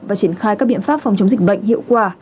và triển khai các biện pháp phòng chống dịch bệnh hiệu quả